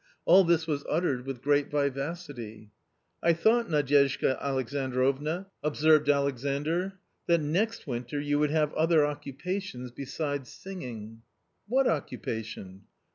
All this was uttered with great vivacity. " I thought, Nadyezhda Alexandrovna," observed Alexandr, u that next winter you would have other occupa tions besides singing." " What occupation